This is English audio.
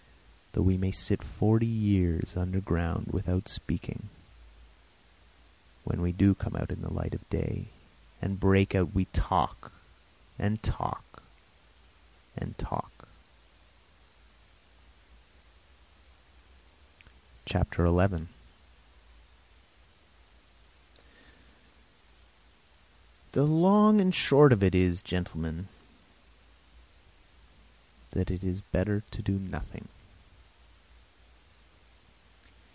Though we may sit forty years underground without speaking, when we do come out into the light of day and break out we talk and talk and talk.... XI The long and the short of it is, gentlemen, that it is better to do nothing!